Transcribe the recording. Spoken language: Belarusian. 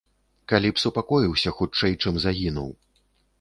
Калі б супакоіўся хутчэй, чым загінуў.